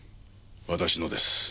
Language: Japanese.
私のです。